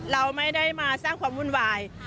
เราไม่ได้มาสร้างความวุ่นวาย